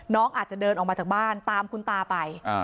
น้องอาจจะเดินออกมาจากบ้านตามคุณตาไป